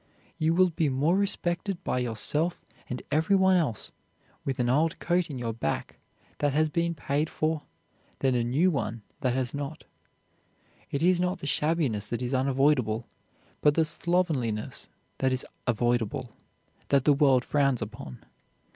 You will be more respected by yourself and every one else with an old coat on your back that has been paid for than a new one that has not. It is not the shabbiness that is unavoidable, but the slovenliness that is avoidable, that the world frowns upon.